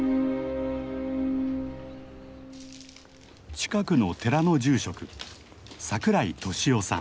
近くの寺の住職櫻井慧雄さん。